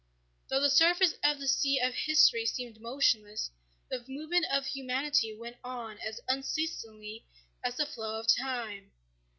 Though the surface of the sea of history seemed motionless, the movement of humanity went on as unceasingly as the flow of time.